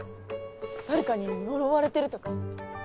誰かに呪われてるとか？